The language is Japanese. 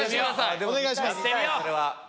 お願いします。